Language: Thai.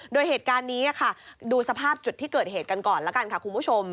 โดยเหตุการณ์นี้ค่ะดูสภาพจุดที่เกิดเหตุกันก่อนแล้วกันค่ะคุณผู้ชม